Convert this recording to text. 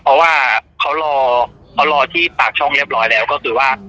เพราะว่าเขารอเขารอที่ปากช่องเรียบร้อยแล้วก็คือว่า